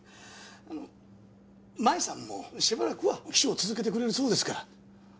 あの真衣さんもしばらくは秘書を続けてくれるそうですから。